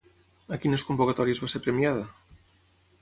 A quines convocatòries va ser premiada?